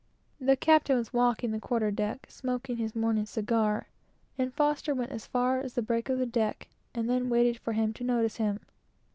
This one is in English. The captain was walking the quarter deck, smoking his morning cigar, and F went as far as the break of the deck, and there waited for him to notice him.